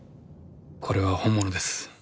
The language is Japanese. これは本物です。